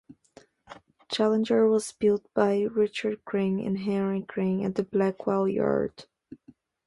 Challenger was built by Richard Green and Henry Green at the Blackwell Yard.